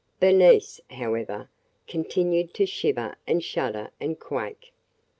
Bernice, however, continued to shiver and shudder and quake.